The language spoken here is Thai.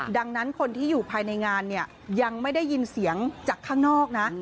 ดังนั้นคนที่อยู่ภายในงานเนี่ยยังไม่ได้ยินเสียงจากข้างนอกนะ